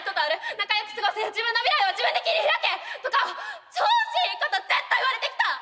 「仲よく過ごせ」「自分の未来は自分で切り開け」とか調子いいことずっと言われてきた！